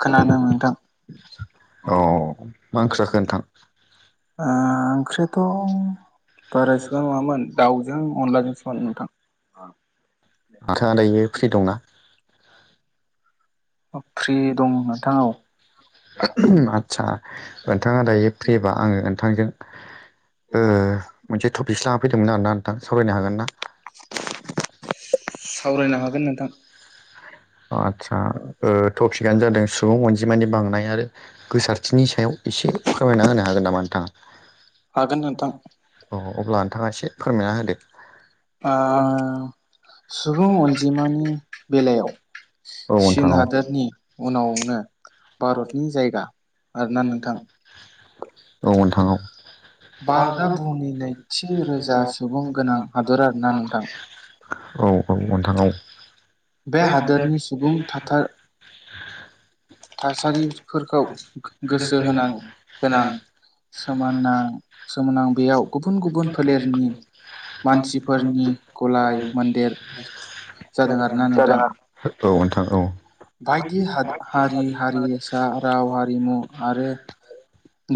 खोनादों नोंथां ओ ओंख्रियाथ' बारासिबां नङामोन दाउजों अनलाजोंसोमोन नोंथां ओं हाथोआ दायो फ्रि दंना? आतसा नोंथाङा दायो फ्रिबा आङो नोंथांजों ओ मोनसे टपिस लाना फैदोंमोन आरो ना आं सावरायनो हागोन ना? सावरायनो हागोन नोंथां। [unintelligible] आतसा ओ टपिकआनो जादों सुबुं अन जिमानानि बांनाय आरो गोसारथिनि सायाव एसे फोरमायना होनो हागोन नामा नोंथाङा हागोन नोंथां अ अ अब्ला नोंथाङा एसे फोरमायना होदो? अ सुबुं अनजिमानि बेलायाव चीन हादोरनि उनावनो भारतनि जायगा आरोना नोंथां? भारतआ बुहुमनि नैथि रोजा सुबुं गोनां हादोर आरो ना नोंथां औ औ ओनथां औ बे हादोरनि सुबुं थाथार [inaudible] थासारिफोरखौ गोसो होनां होनां सोमोनां सोमोनां बेयाव गुबुन गुबुन फोलेरनि मानसिफोरनि गलाय मन्देर जादों आरोना नोंथां औ नोंथां औ बायदि हादो हारि हारिसा राव हारिमु आरो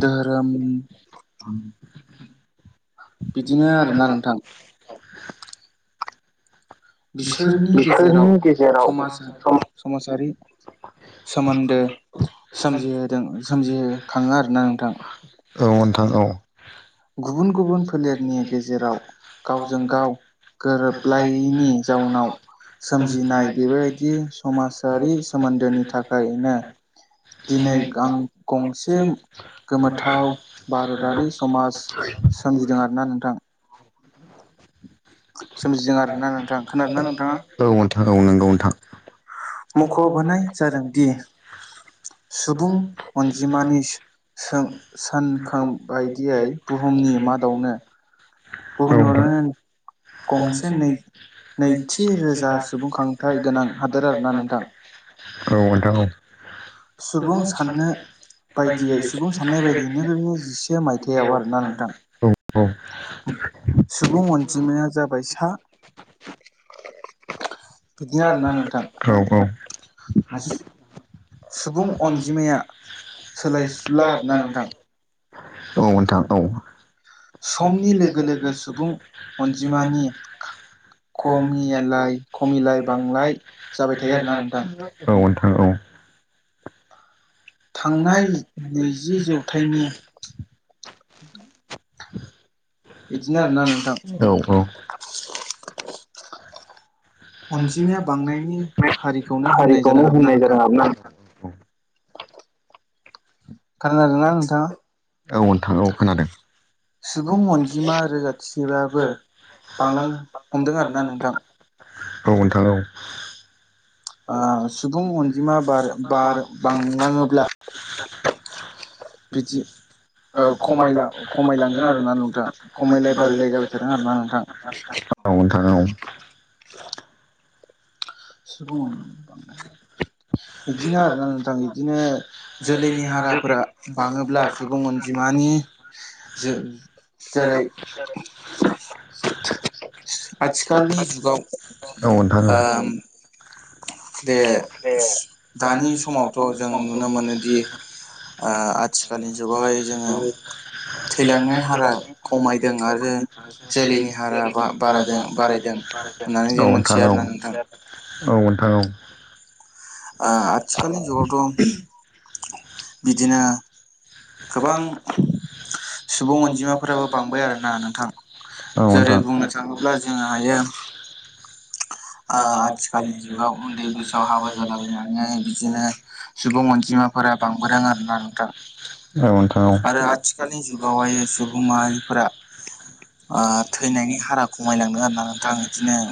दोहोरोम बिदिनो आरोना नोंथां बिसोरनि गेजेराव समाजा समासारि औ नोंथां औ गुबुन गुबुन फोलेरनि गेजेराव गावजों गाव गोरोबलायिनि जाउनाव सोमजिनाय बेफोरबायदि समासा आरि सोमोन्दोनि थाखायनो दिनै आं गंसे गोमोथाव भारतारि समाज सोमजिदों आरोना नोंथां औ नोंथां औ नोंगो औ नोंथां मखबोनाय जादोंदि सुबुं अनजिमानि सो-सानखां बायदियै बुहुमनि मादावनो बुहुमनि मादावनो गंसे नै नैथि रोजा सुबुंखांथाय गोनां हादोर आरो ना औ नोंथां औ सुबुं साननो बायदियै सुबुं साननाय बायदियै नैरोजा जिसे मायथायाइयाव आरोना नोंथां सुबुं अनजिमाया जाबाय सा औ औ सुबुं अनजिमाया सोलायसुला आरोना नोंथां औ नोंथां औ समनि लोगो लोगो सुबुं अनजिमानि‌ खमिया औ नों ओ औ थांनाय नैजि जौथाइनि [inaudible] आरोना नोंथां औ औ अनजिमाया बांनायनि हारिखौनो होननाय जादों आरोना नोंथां खोनादोंना नोंथां सुबुं अनजिमा रोजाथिबाबो बांलां हमदों आरोना नोंथां औ नोंथां औ औ नोंथां औ सुबुं इदिनो आरोना नोंथां इदिनो जोलैनि हाराफोरा बाङोब्ला सुबुं अनजिमानि जो जेरै आथिखालनि जुगाव ओ दे दे दानि समावथ' [unintelligible] [unintelligible] [unintelligible] [unintelligible] [unintelligible] औ नोंथां औ औ नोंथां औ ओ आथिखालनि जुगावथ' बिदिनो गोबां सुबुं अनजिमाफोराबो बांबाय आरोना नोंथां जेरै बुंनो थाङोब्ला जोङो हायो ओ आथिखाल [unintelligible] सुबुं अनजिमाफोरा औ नोंथां औ आरो आथि [unintelligible] सुबुं माहाफोरा थैनायनि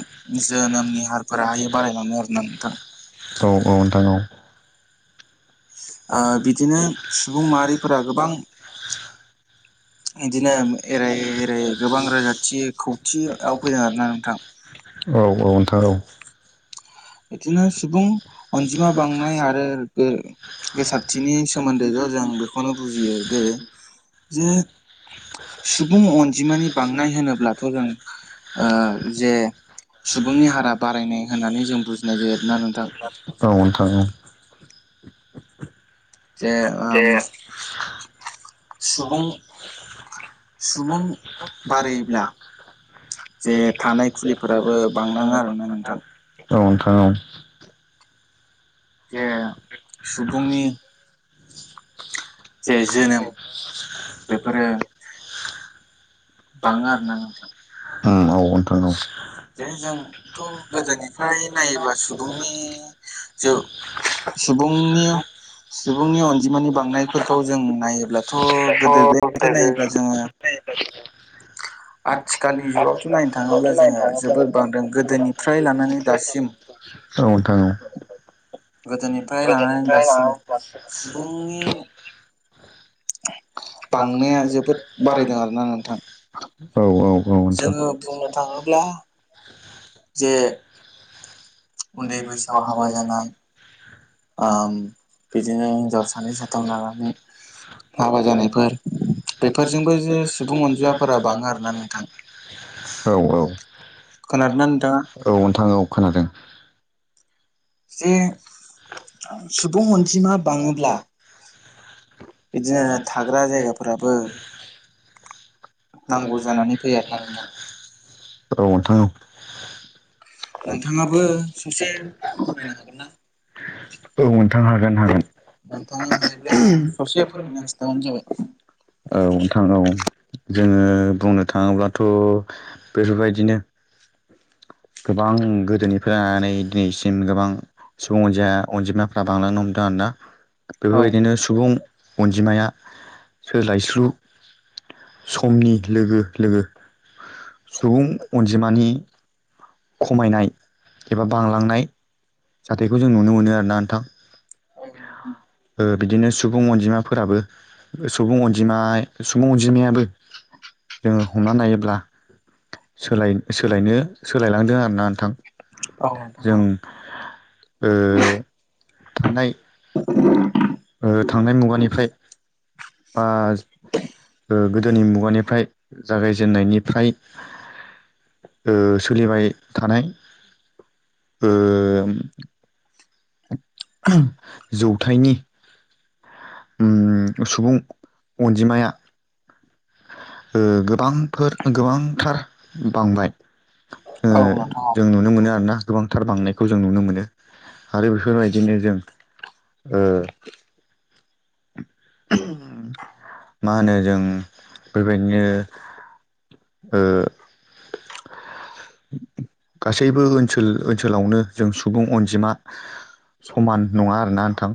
[unintelligible] औ औ नोंथां औ ओ बिदिनो सुबुं माहारिफोरा गोबां बिदिनो [unintelligible] [unintelligible] औ औ नोंथां औ बिदिनो सुबुं अनजिमा बांनाय आरो साबसिन [unintelligible] सोमोन्दो सुबुं [unintelligible] [unintelligible] अनजिमा बांनाय होनोब्लाबो ओ बे सुबुंनि हारा बारायनो होननानै [unintelligible] औ नोंथां औ [inaudible] जे उम सुबुं सुबुं बे थानाय [unintelligible] [unintelligible] [unintelligible] औ नोंथां औ जे सुबुंनि [unintelligible] बेफोरो [unintelligible] आरोना उम औ नोंथां औ दे जों [unintelligible] [unintelligible] [unintelligible] [unintelligible] [unintelligible] [unintelligible] [unintelligible] [unintelligible] [unintelligible] [unintelligible] नायनो [unintelligible] जोबोर बांदों गोदोनिफ्राय लानानै दासिम [unintelligible] बांनाया जोबोद बारायदों आरोना नोंथां। औ औ औ नोंथां [unintelligible] बे उन्दै बैसोआव हाबा जानाय आम बिदिनो हिनजाव सानै साथाम लानानै हाबा जानायफो बेफोर [unintelligible] [unintelligible] [unintelligible] औ औ [unintelligible] औ नोंथां औ खोनादों। जे सुबुं अनजिमा बाङोब्ला बिदिनो थ जाया नांगौ ज औथाङ [unintelligible] औ नोंथां हागोन हागोन औ नोंथां औ जोङो बुंनो थाङोब्लाथ' बेफोरबायदिनो गोबां गोदोनिफ्राय लानानै दिनैसिम गोबां सुबुं अनजि अनजिमाफ्रा बांलांनो हमदों आरोना। बेफोरबायदिनो सुबुं अनजिमाया सोलायस्लु समनि लोगो लोगो सुबुं अनजिमानि खमायनाय एबा बांलांनाय जाथायखौ जों नुनो मोनो आरोना नोंथां ओ बिदिनो सुबुं अनजिमाफोर फोराबो सुबुं अनजिमाइ सुबुं अनजिमायाबो जोङो हमना नायोब्ला सोलाय सोलायनो सोलायलांदों आरो ना नोंथां जों ओ थांनाय ओ थांनाय मुगानिफ्राय बा ओ गोदोनि मुगानिफ्राय जा जागायजेननायनिफ्राय ओ सोलिबाय थानाय ओम। जौथायनि। ओम सुबुं अनजिमाया। ओ गोबांफोर गोबांथार बांबाय ओ जों नुनो मोनो आरोना। फोथार बांनायखौ जों नुनो मोनो आरो बेफोरबायदिनो जों मा होनो जों बेबायदिनो ओ गासैबो ओनसोल ओनसोलावनो जों सुबुं अनजिमा समान नङा आरोना नोंथां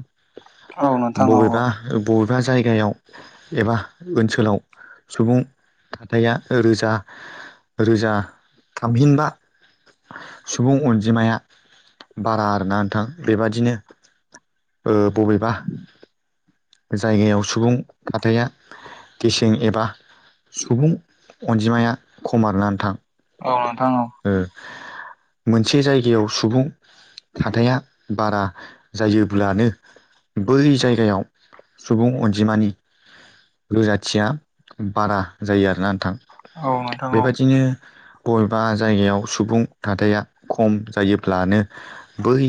बबेबा बबेबा जायगायाव एबा ओनसोलाव सुबुं हथाया रोजा रोजा थामहिनबा सुबुं अनजिमाया बारा आरोना नोंथां बेबादिनो ओ बबेबा जायगायाव सुबुं हाथाया गेसें एबा सुबुं अनजिमाया खमा आरोना नोंथां मोनसे जायगायाव सुबुं थाथायाइा बारा जायोब्लानो बै जायगायाव सुबुं अनजिमानि रोजाथिया बारा जायो आरोना बेबादिनो बबेबा जायगायाव सुबुं थाथाया खम जायोब्लानो बै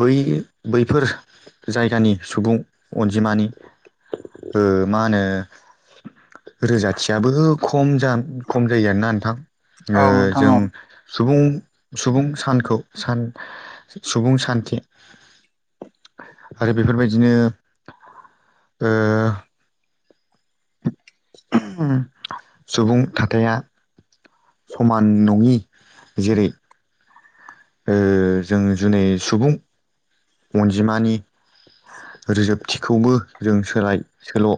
बै बैफोर जायगानि सुबुं अनजिमानि ओ मा होनो रोजा खाथियाबो खम जा खम जायो आरोना नोंथां ओ जों सुबुं सुबुं सानखौ सान सुबुं सान्थि आरो बेफोरबायदिनो ओ सुबुं थाथाया समान नङि जेरै ओ जों जुुनै सुबुं अनजिमानि रोजोबथिखौबो जों सोलाय सोल'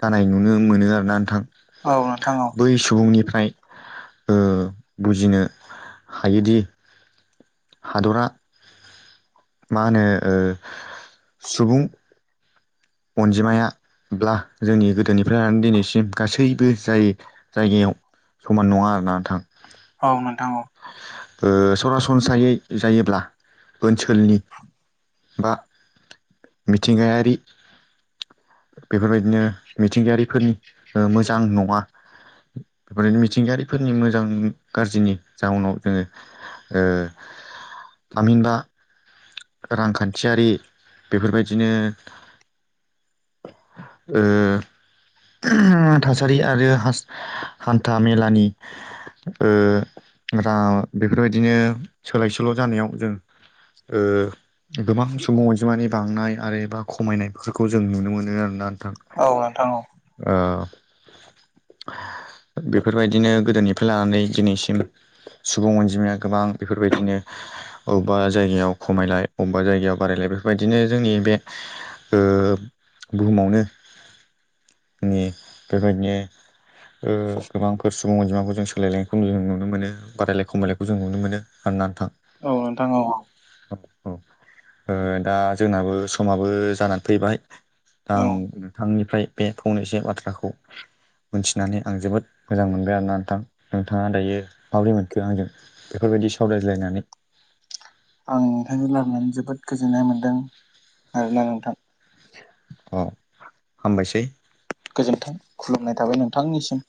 जानाय नुनो मोनो आरोना नोंथां बै सुबुंनिफ्राय ओ बुजिनो हायोदि हादरा मा होनो ओ सुबुं अनजिमायाब्ला जोंनि गोदोनिफ्राय दिनैसिम गासैबो जाय जायगायाव समान नङा आरोना नोंथां। ओ सरासनस्रायै जायोब्ला ओनसोलनि बा मिथिंगायारि बेफोरबायदिनो मिथिंगायारिफोरनि मोजां नङा बेफोरनो मिथिंगायारिफोरनि मोजां गाज्रिनि जाउनाव जोङो ओ थामहिनबा रांखान्थियारि बेफोरबायदिनो ओ थासारि आरो हास हान्था मेलानि ओ रां बेफोरबायदिनो सोलाय सोल' जानायाव जों ओ गोबां सुबुं अनजिमानि बांनाय आरो एबा खमायनाय बेफोरखौ जों नुनो मोनो आरो ना नों अह [inaudible] बेफोरबायदिनो गोदोनिफ्राय लानानै दिनैसिम सुबुं अनजिमाया गोबां बेफोरबायदिनो अबेबा जायगायाव खमायलाय अबेबा जायगायाव बारायलाय बेफोरबायदिनो जोंनि बे ओ बुहुमावनो [unintelligible] बेबायदिनो ओ गोबांफोर सुबुं अनजिमाखौ जों सोलायनायखौ जों नुनो मोनो बारायलाय खमायलायखौ जों नुनो मोनो गाननानै थां औ नोंथां औ ओ दा जोंनाबो समाबो जाना बाय आं नोंथांनिफ्राय बे फंनैसो बाथ्राखौ मिथिनानै आं जोबोद मोजां मोनबाय आरोना नोंथां नोंथाङा दायो आं नोंथांनि लायरायनानै जोबोद गोजोननाय मोनदों आरोना नोंथां गोजोन्थों खुलुमनाय थाबाय नोंथांनिसिम